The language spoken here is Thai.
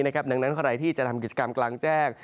ดังนั้นใครที่จะทำกิจกรรมกลางแจ้ง